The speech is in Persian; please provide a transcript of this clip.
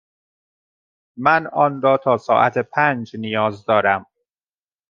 من آن را تا ساعت پنج نیاز دارم.